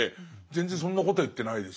全然そんなことは言ってないですね。